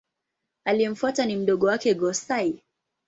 Aliyemfuata ni mdogo wake Go-Sai.